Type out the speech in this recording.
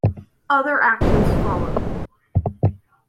Other actions followed.